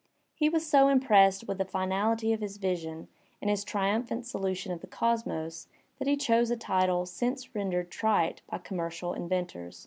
He was so impressed with the finaUty of his vision and his triumphant solution of the cosmos that he chose a title since rendered trite by com mercial inventors.